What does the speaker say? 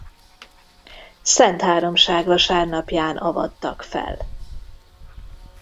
Szentháromság vasárnapján avattak fel.